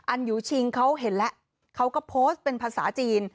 อยู่ชิงเขาเห็นแล้วเขาก็โพสต์เป็นภาษาจีน